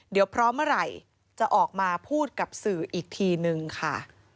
เดี๋ยวพร้อมเมื่อไหร่จะออกมาพูดกับสื่ออีกทีนึงค่ะ